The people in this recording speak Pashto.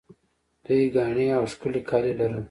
دوی ګاڼې او ښکلي کالي لرل